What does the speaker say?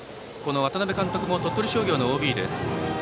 渡辺監督も鳥取商業のＯＢです。